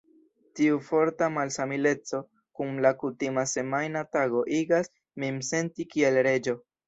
Tiu forta malsamileco kun la kutima semajna tago igas min senti kiel reĝo.